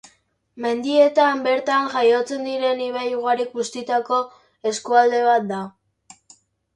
Mendietan bertan jaiotzen diren ibai ugarik bustitako eskualde bat da.